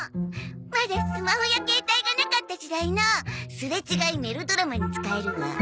まだスマホや携帯がなかった時代のすれ違いメロドラマに使えるわ。